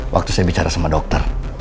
waktu saya bicara sama dokter